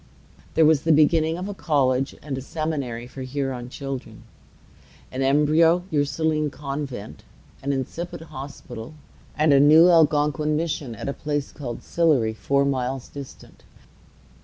There was the beginning of a college and a seminary for Huron children, an embryo Ursuline convent, an incipient hospital, and a new Algonquin mission at a place called Sillery, four miles distant.